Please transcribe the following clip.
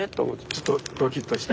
ちょっとドキッとして。